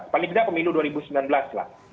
paling tidak pemilu dua ribu sembilan belas lah